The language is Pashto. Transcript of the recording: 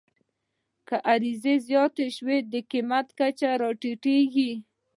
که عرضه زیاته شي، د قیمت کچه راټیټېږي.